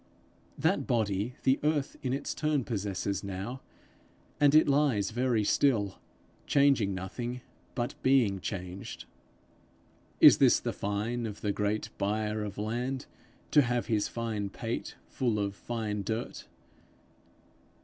That body the earth in its turn possesses now, and it lies very still, changing nothing, but being changed. Is this the fine of the great buyer of land, to have his fine pate full of fine dirt?